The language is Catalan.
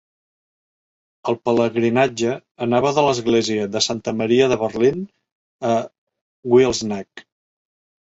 El pelegrinatge anava de l'esglèsia de Santa Maria de Berlín a Wilsnack.